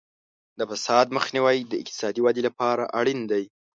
د فساد مخنیوی د اقتصادي ودې لپاره اړین دی.